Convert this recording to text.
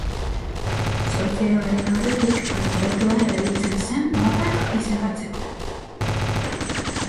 Solfeoaren aurretik alfabetoa erabiltzen zen notak izendatzeko.